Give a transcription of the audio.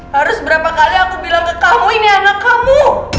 harus berapa kali aku bilang ke kamu ini anak kamu